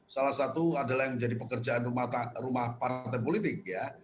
salah satu adalah yang menjadi pekerjaan rumah partai politik ya